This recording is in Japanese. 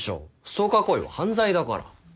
ストーカー行為は犯罪だから。